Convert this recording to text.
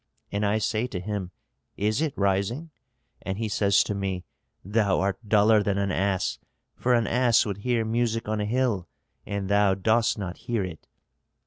And I say to him, 'Is it rising?' And he says to me, 'Thou art duller than an ass, for an ass would hear music on a hill, and thou dost not hear it.'